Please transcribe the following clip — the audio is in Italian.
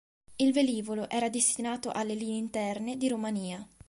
Il velivolo era destinato alle linee interne di Romania.